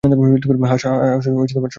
হ্যাঁ, সবাই থাকতে চাইবে।